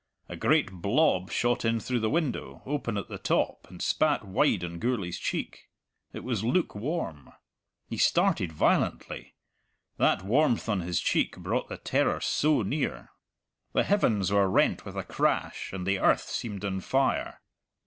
A great blob shot in through the window, open at the top, and spat wide on Gourlay's cheek. It was lukewarm. He started violently that warmth on his cheek brought the terror so near. The heavens were rent with a crash, and the earth seemed on fire.